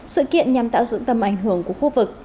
sự kiện nhằm tạo dựng tầm ảnh hưởng của khu vực